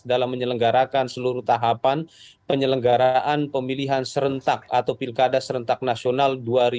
dalam menyelenggarakan seluruh tahapan penyelenggaraan pemilihan serentak atau pilkada serentak nasional dua ribu dua puluh